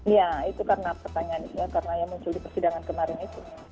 ya itu karena pertanyaannya karena yang muncul di persidangan kemarin itu